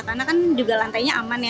karena kan juga lantainya aman ya